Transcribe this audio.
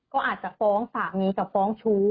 ก็อาจจะฟ้องสามีกับฟ้องชู้